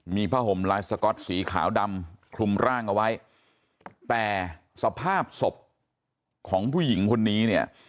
มีผ้าห่มลายสก๊อตสีขาวดำคลุมร่างเอาไว้แต่สภาพศพของผู้หญิงคนนี้เนี่ย